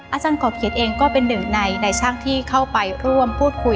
อาจารย์ขอเขียนเองก็เป็นหนึ่งในช่างที่เข้าไปร่วมพูดคุย